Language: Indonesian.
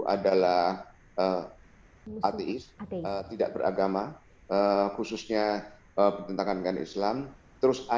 adalah artis tidak beragama khususnya pertentangan islam terus